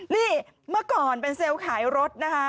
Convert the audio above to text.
นี่เมื่อก่อนเป็นเซลล์ขายรถนะคะ